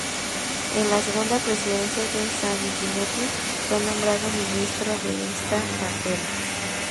En la segunda presidencia de Sanguinetti fue nombrado ministro de esta cartera.